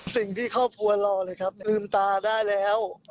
สิ่งที่ครอบครัวรอเลยครับลืมตาได้แล้ว